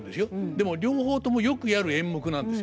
でも両方ともよくやる演目なんですよね。